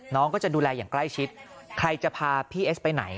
น้องก็จะดูแลอย่างใกล้ชิดใครจะพาพี่เอสไปไหน